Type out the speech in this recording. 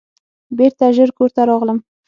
بیرته ژر کور ته راغلم.